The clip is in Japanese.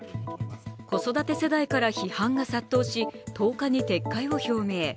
子育て世代から批判が殺到し１０日に撤回を表明。